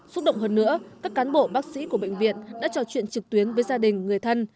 xúc động hơn nữa các cán bộ bác sĩ của bệnh viện đã trò chuyện trực tuyến với gia đình người thân